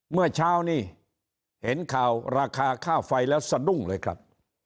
เมื่อเช้านี้เห็นข่าวราคาค่าไฟแล้วสะดุ้งเลยครับ